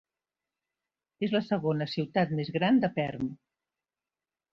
És la segona ciutat més gran de Perm.